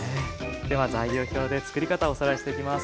では材料表で作り方おさらいしていきます。